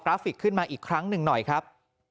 ฟิกขึ้นมาอีกครั้งหนึ่งหน่อยครับ